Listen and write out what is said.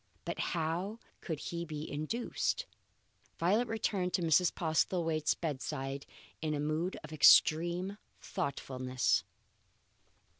But how could he be induced? Violet returned to Mrs. Postlethwaite's bedside in a mood of extreme thoughtfulness.